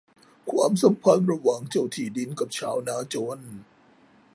ความสัมพันธ์ระหว่างเจ้าที่ดินกับชาวนาจน